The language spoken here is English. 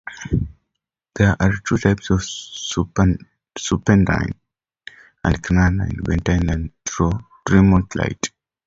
There are two types of serpentine at Kynance: bastite and tremolite.